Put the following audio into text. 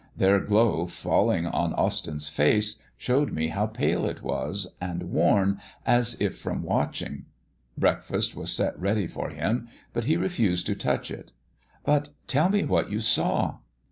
Their glow falling on Austyn's face showed me how pale it was, and worn as if from watching. Breakfast was set ready for him, but he refused to touch it. "But tell me what you saw."